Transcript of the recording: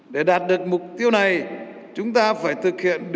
để đạt được mục tiêu này chúng ta phải thực hiện